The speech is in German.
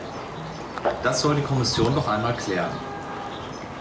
Das soll die Kommission doch einmal erklären.